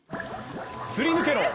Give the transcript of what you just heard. すり抜けろ！